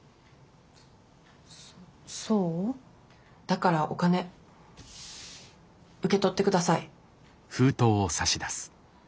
だからお金受け取って下さい。